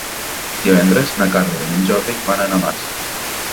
Divendres na Carla i en Jordi van a Navàs.